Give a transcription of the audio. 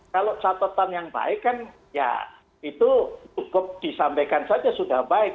kalau catatan yang baik kan ya itu cukup disampaikan saja sudah baik